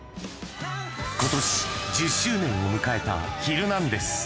ことし、１０周年を迎えたヒルナンデス！